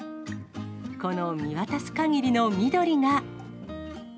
この見渡す限りの緑が。